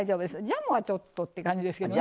ジャムはちょっとって感じですけど。